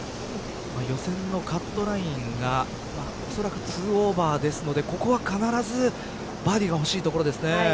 予選のカットラインが恐らく２オーバーですのでここは必ずバーディーが欲しいところですね。